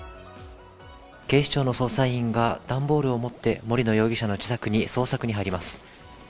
警視庁の捜査員が段ボールを持って森野容疑者の自宅に捜索に入ります。